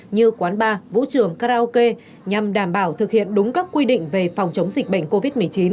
như quán bar vũ trường karaoke nhằm đảm bảo thực hiện đúng các quy định về phòng chống dịch bệnh covid một mươi chín